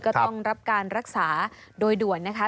ก็ต้องรับการรักษาโดยด่วนนะคะ